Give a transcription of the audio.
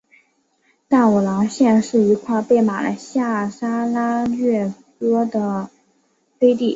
淡武廊县是一块被马来西亚砂拉越割开的飞地。